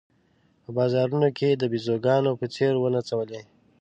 په بازارونو کې د بېزوګانو په څېر ونڅولې.